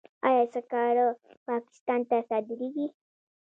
آیا سکاره پاکستان ته صادریږي؟